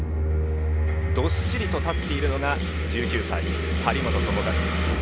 どっしりと立っているのが１９歳、張本智和。